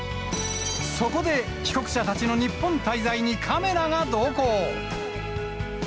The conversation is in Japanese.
そこで、帰国者たちの日本滞在にカメラが同行。